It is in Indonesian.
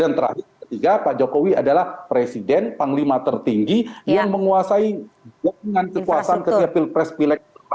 dan terakhir ketiga pak jokowi adalah presiden panglima tertinggi yang menguasai kekuasaan ke pihak pirpes pileg